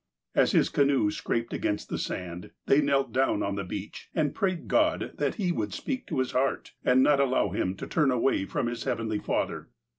As his canoe scraped against the sand, they knelt down on the beach, and prayed God that He would speak to his heart, and not allow him to turn away from his Heavenly Father.